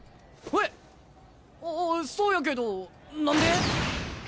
そうやけど何で？